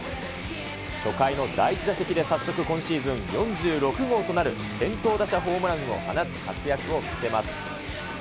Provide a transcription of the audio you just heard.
初回の第１打席で早速今シーズン４６号となる先頭打者ホームランを放つ活躍を見せます。